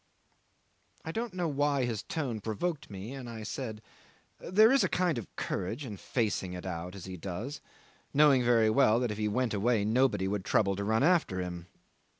I don't know why his tone provoked me, and I said, "There is a kind of courage in facing it out as he does, knowing very well that if he went away nobody would trouble to run after him."